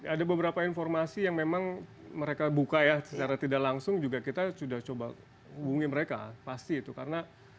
ada beberapa informasi yang memang mereka buka ya secara tidak langsung juga kita sudah coba hubungi mereka pasti itu karena